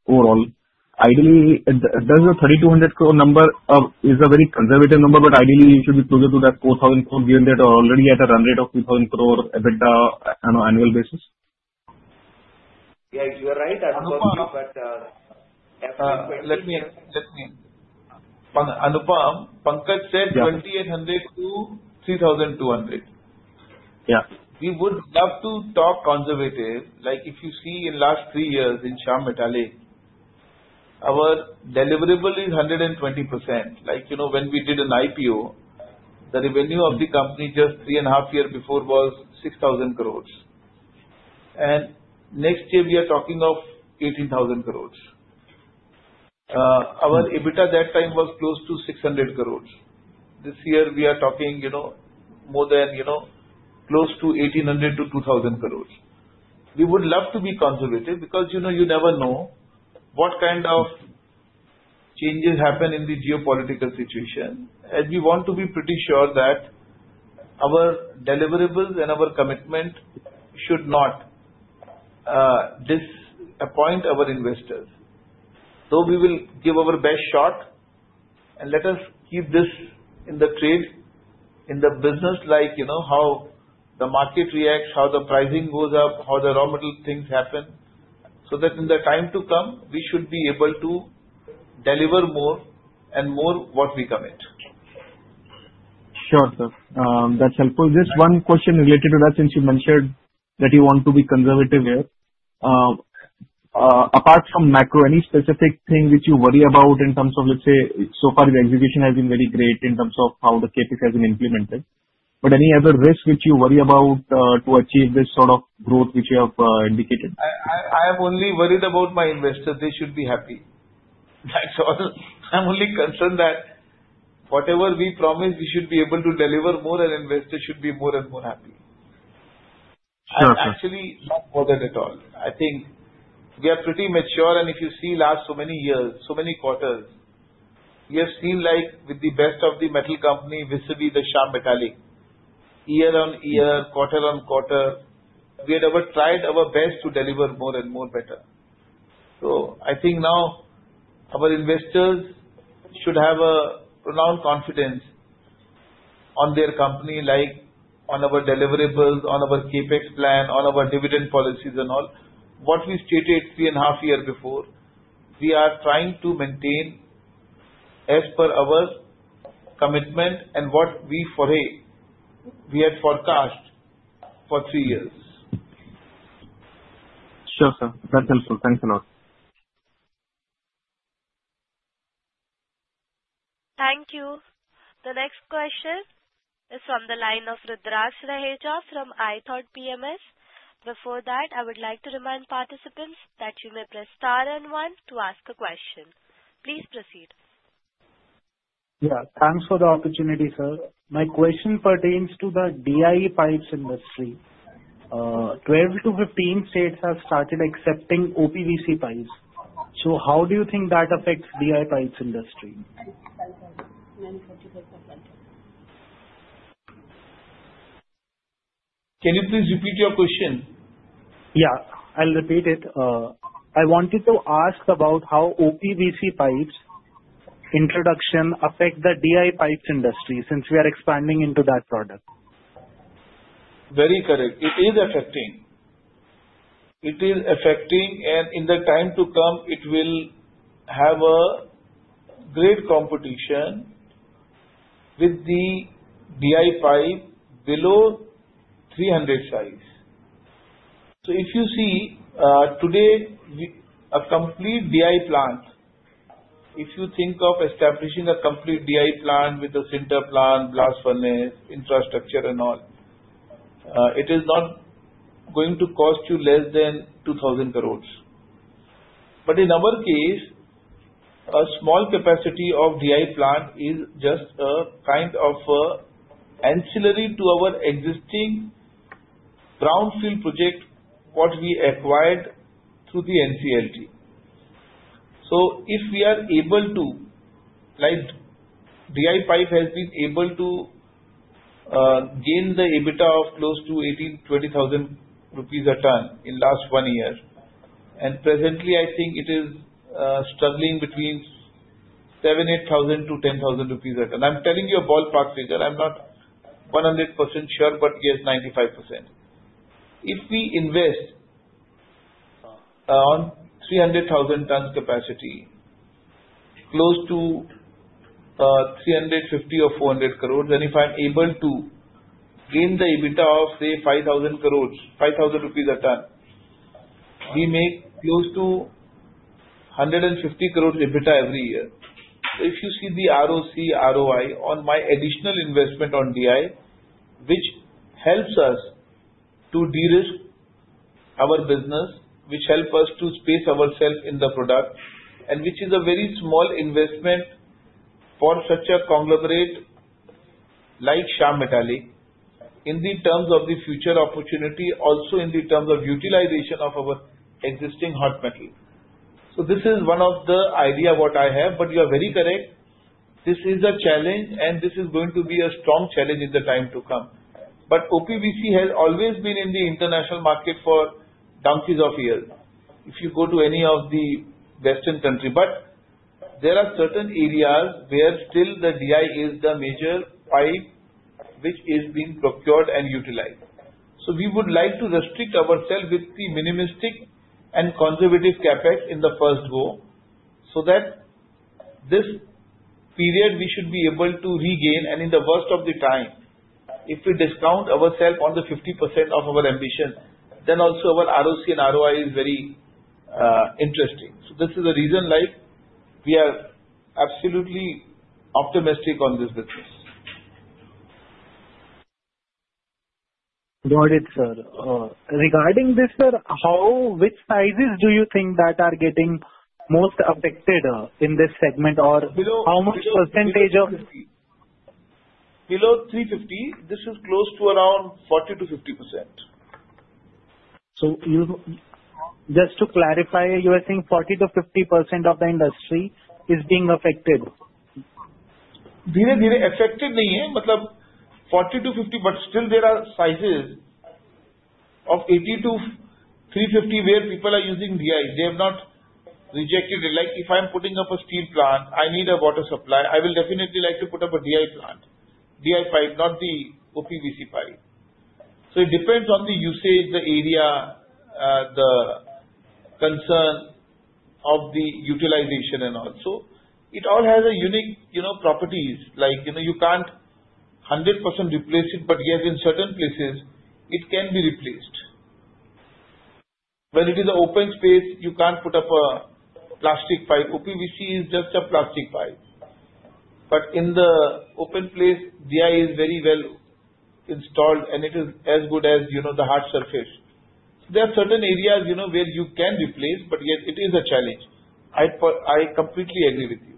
overall. Ideally, does the 3,200 crore number is a very conservative number, but ideally, you should be closer to that 4,000 crores given that you're already at a run rate of 2,000 crores EBITDA on an annual basis. Yeah, you are right. Anupam, let me answer. Anupam, Pankaj said 2,800-3,200. We would love to talk conservative. If you see in the last three years in Shyam Metalics, our deliverable is 120%. When we did an IPO, the revenue of the company just three and a half years before was 6,000 crores. And next year, we are talking of 18,000 crores. Our EBITDA at that time was close to 600 crores. This year, we are talking more than close to 1,800-2,000 crores. We would love to be conservative because you never know what kind of changes happen in the geopolitical situation, and we want to be pretty sure that our deliverables and our commitment should not disappoint our investors. So we will give our best shot and let us keep this in the trade, in the business, like how the market reacts, how the pricing goes up, how the raw material things happen. So that in the time to come, we should be able to deliver more and more what we commit. Sure, sir. That's helpful. Just one question related to that since you mentioned that you want to be conservative here. Apart from macro, any specific thing which you worry about in terms of, let's say, so far, the execution has been very great in terms of how the CAPEX has been implemented. But any other risk which you worry about to achieve this sort of growth which you have indicated? I have only worried about my investors. They should be happy. That's all. I'm only concerned that whatever we promise, we should be able to deliver more, and investors should be more and more happy. Sure, sir. I'm actually not bothered at all. I think we are pretty mature. And if you see last so many years, so many quarters, we have seen with the best of the metal company, vis-à-vis the Shyam Metalics, year on year, quarter-on-quarter, we had tried our best to deliver more and more better. So I think now our investors should have a profound confidence on their company, like on our deliverables, on our CAPEX plan, on our dividend policies, and all. What we stated three and a half years before, we are trying to maintain as per our commitment and what we foray we had forecast for three years. Sure, sir. That's helpful. Thanks a lot. Thank you. The next question is from the line of Rudraksh Raheja from ithoughtpms. Before that, I would like to remind participants that you may press star and one to ask a question. Please proceed. Yeah. Thanks for the opportunity, sir. My question pertains to the DI pipes industry. 12-15 states have started accepting OPVC pipes. So how do you think that affects DI pipes industry? Can you please repeat your question? Yeah. I'll repeat it. I wanted to ask about how OPVC pipes introduction affect the DI pipes industry since we are expanding into that product. Very correct. It is affecting. And in the time to come, it will have a great competition with the DI pipe below 300 size. So if you see today, a complete DI plant, if you think of establishing a complete DI plant with a center plant, blast furnace, infrastructure, and all, it is not going to cost you less than 2,000 crores. But in our case, a small capacity of DI plant is just a kind of ancillary to our existing brownfield project what we acquired through the NCLT. So if we are able to, like DI pipe has been able to gain the EBITDA of close to 18-20 thousand rupees a ton in the last one year. And presently, I think it is struggling between 7-8 thousand to 10 thousand rupees a ton. I'm telling you a ballpark figure. I'm not 100% sure, but yes, 95%. If we invest on 300,000 tons capacity, close to 350-400 crores, and if I'm able to gain the EBITDA of, say, 5,000 crores, 5,000 rupees a ton, we make close to 150 crores EBITDA every year. So if you see the ROC, ROI on my additional investment on DI, which helps us to de-risk our business, which helps us to space ourselves in the product, and which is a very small investment for such a conglomerate like Shyam Metalics in the terms of the future opportunity, also in the terms of utilization of our existing hot metal. So this is one of the ideas what I have. But you are very correct. This is a challenge, and this is going to be a strong challenge in the time to come. But OPVC has always been in the international market for donkey's years. If you go to any of the Western countries, but there are certain areas where still the DI is the major pipe which is being procured and utilized, so we would like to restrict ourselves with the minimalistic and conservative CAPEX in the first go so that this period we should be able to regain, and in the worst of the time, if we discount ourselves on the 50% of our ambition, then also our ROCE and ROI is very interesting, so this is the reason why we are absolutely optimistic on this business. Got it, sir. Regarding this, sir, which sizes do you think that are getting most affected in this segment, or how much percentage of? Below 350. This is close to around 40%-50%. So just to clarify, you are saying 40%-50% of the industry is being affected? Affected nahi hai. But 40 to 50, but still there are sizes of 80 to 350 where people are using DI. They have not rejected it. Like if I'm putting up a steel plant, I need a water supply, I will definitely like to put up a DI pipe, not the OPVC pipe. So it depends on the usage, the area, the concern of the utilization, and all. So it all has unique properties. You can't 100% replace it, but yes, in certain places, it can be replaced. When it is an open space, you can't put up a plastic pipe. OPVC is just a plastic pipe. But in the open place, DI is very well installed, and it is as good as the hard surface. There are certain areas where you can replace, but yes, it is a challenge. I completely agree with you.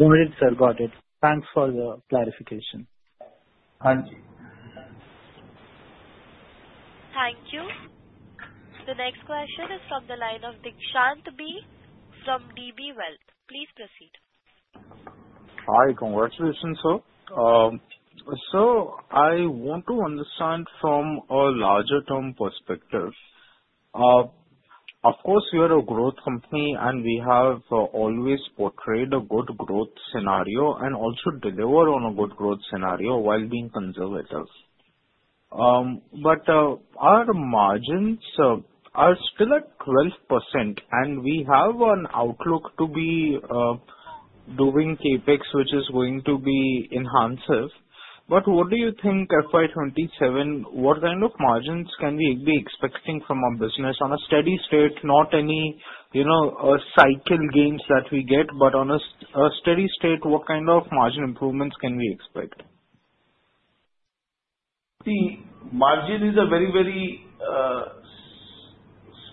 Got it, sir. Got it. Thanks for the clarification. Thank you. The next question is from the line of Deekshant B from DB Wealth. Please proceed. Hi. Congratulations, sir. So I want to understand from a larger-term perspective. Of course, we are a growth company, and we have always portrayed a good growth scenario and also deliver on a good growth scenario while being conservative. But our margins are still at 12%, and we have an outlook to be doing CAPEX, which is going to be enhanced. But what do you think FY 2027, what kind of margins can we be expecting from our business on a steady state, not any cycle gains that we get, but on a steady state, what kind of margin improvements can we expect? See, margin is a very, very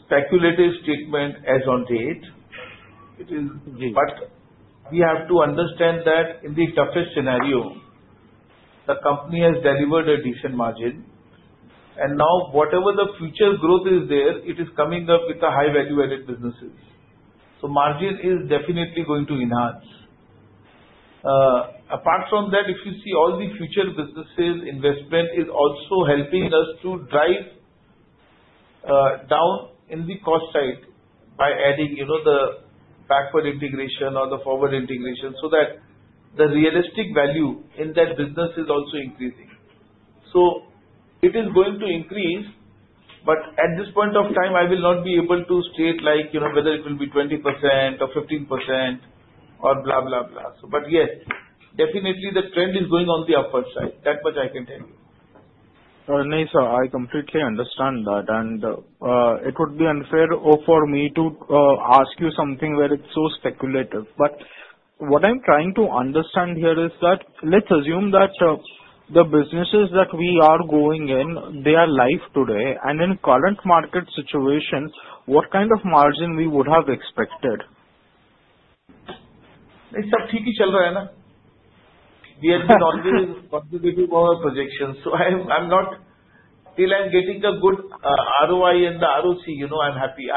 speculative statement as on date. But we have to understand that in the toughest scenario, the company has delivered a decent margin. And now, whatever the future growth is there, it is coming up with the high-value-added businesses. So margin is definitely going to enhance. Apart from that, if you see all the future businesses, investment is also helping us to drive down in the cost side by adding the backward integration or the forward integration so that the realistic value in that business is also increasing. So it is going to increase, but at this point of time, I will not be able to state whether it will be 20% or 15% or blah, blah, blah. But yes, definitely, the trend is going on the upward side. That much I can tell you. No, sir, I completely understand that. And it would be unfair for me to ask you something where it's so speculative. But what I'm trying to understand here is that let's assume that the businesses that we are going in, they are live today. And in current market situation, what kind of margin we would have expected? It's not theek hi chal raha hai, na? We have been always conservative with our projections. So I'm not till I'm getting a good ROI and the ROCE, I'm happy.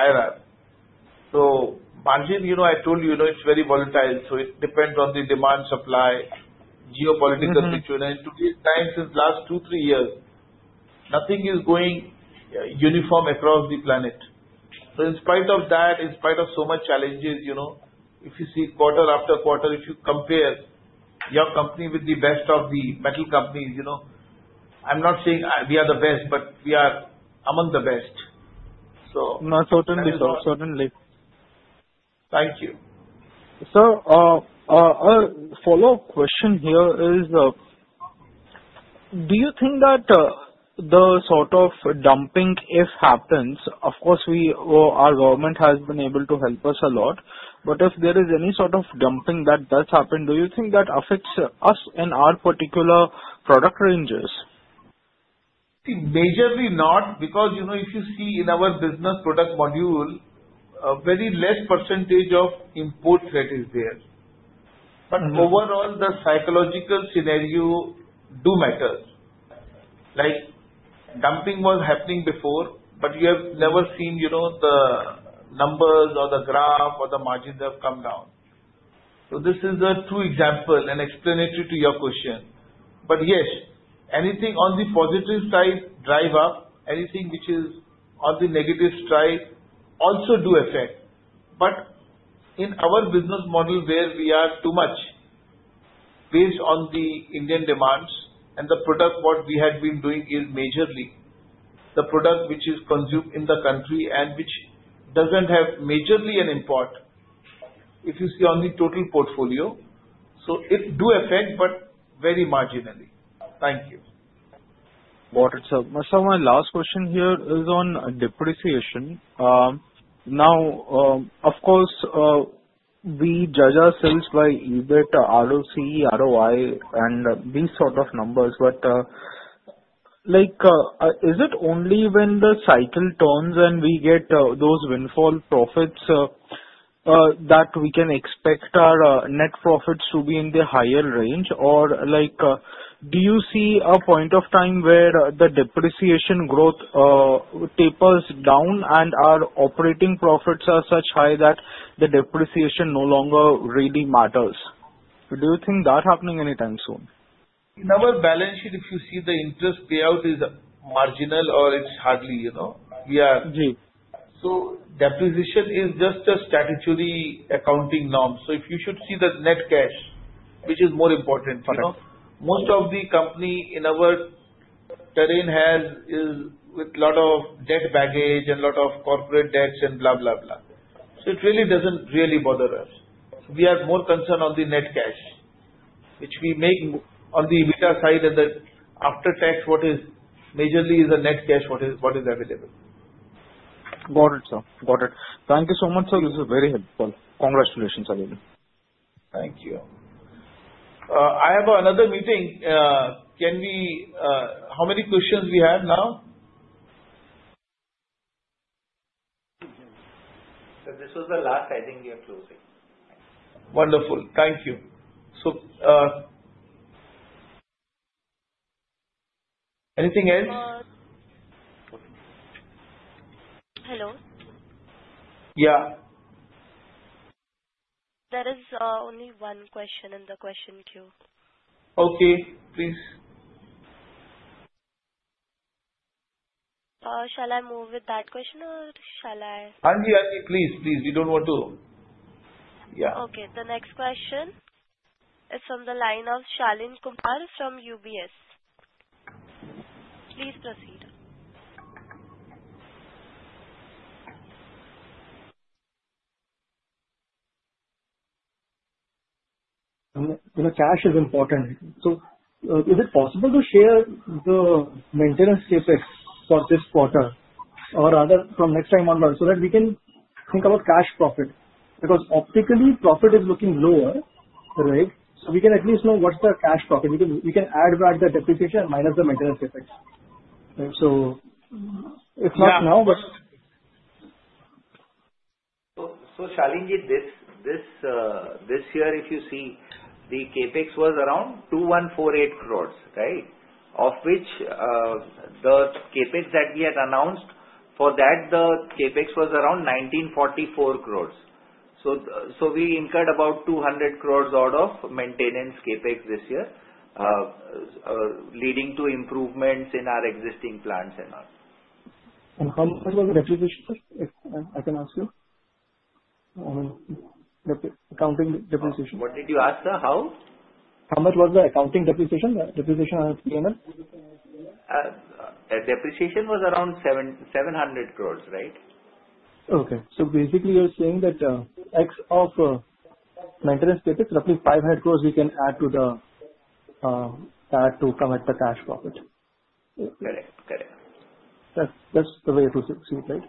So margin, I told you, it's very volatile. So it depends on the demand, supply, geopolitical situation. And in today's time, since the last two, three years, nothing is going uniform across the planet. So in spite of that, in spite of so much challenges, if you see quarter after quarter, if you compare your company with the best of the metal companies, I'm not saying we are the best, but we are among the best. So. No, certainly, sir. Certainly. Thank you. Sir, a follow-up question here is, do you think that the sort of dumping, if happens, of course, our government has been able to help us a lot, but if there is any sort of dumping that does happen, do you think that affects us and our particular product ranges? Majorly not because if you see in our business product module, very less percentage of import threat is there. But overall, the psychological scenario does matter. Dumping was happening before, but we have never seen the numbers or the graph or the margins have come down. So this is a true example and explanatory to your question. But yes, anything on the positive side drive up. Anything which is on the negative side also does affect. But in our business model where we are too much based on the Indian demands and the product what we had been doing is majorly the product which is consumed in the country and which doesn't have majorly an import if you see on the total portfolio. So it does affect, but very marginally. Thank you. Got it, sir. Sir, my last question here is on depreciation. Now, of course, we judge ourselves by EBITDA, ROC, ROI, and these sort of numbers. But is it only when the cycle turns and we get those windfall profits that we can expect our net profits to be in the higher range? Or do you see a point of time where the depreciation growth tapers down and our operating profits are such high that the depreciation no longer really matters? Do you think that's happening anytime soon? In our balance sheet, if you see the interest payout is marginal or it's hardly. Yeah. So depreciation is just a statutory accounting norm. So if you should see the net cash, which is more important. Most of the company in our terrain has a lot of debt baggage and a lot of corporate debts and blah, blah, blah. So it really doesn't bother us. We are more concerned on the net cash, which we make on the EBITDA side and the after-tax what is majorly is the net cash what is available. Got it, sir. Got it. Thank you so much, sir. This is very helpful. Congratulations again. Thank you. I have another meeting. How many questions we have now? This was the last. I think we are closing. Wonderful. Thank you. Anything else? Hello. Yeah. There is only one question in the question queue. Okay. Please. Shall I move with that question, or shall I? Hanji, Hanji, please, please. We don't want to. Yeah. Okay. The next question is from the line of Shaleen Kumar from UBS. Please proceed. Cash is important. So is it possible to share the maintenance CAPEX for this quarter or rather from next time onward so that we can think about cash profit? Because optically, profit is looking lower, right? So we can at least know what's the cash profit. We can add back the depreciation and minus the maintenance CAPEX. So it's not now, but. So Shalin, this year, if you see, the CapEx was around 2,148 crores, right? Of which the CapEx that we had announced for that, the CapEx was around 1,944 crores. So we incurred about 200 crores out of maintenance CapEx this year, leading to improvements in our existing plants and all. How much was the depreciation, sir? Can I ask you? I mean, accounting depreciation. What did you ask? How? How much was the accounting depreciation, depreciation on P&L? Depreciation was around 700 crores, right? Okay. So basically, you're saying that Ex of maintenance CAPEX, roughly 500 crores, we can add to come at the cash profit. Correct. Correct. That's the way to see it, right?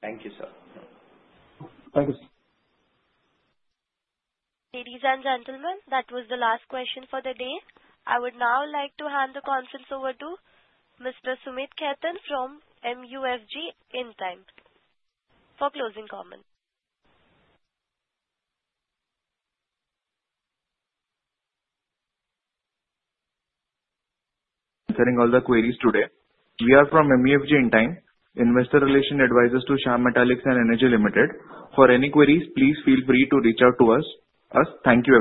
Thank you, sir. Thank you, sir. Ladies and gentlemen, that was the last question for the day. I would now like to hand the conference over to Mr. Sumeet Khaitan from MUFG Intime for closing comments. Considering all the queries today, we are from MUFG Intime, investor relations advisors to Shyam Metalics and Energy Limited. For any queries, please feel free to reach out to us. Thank you.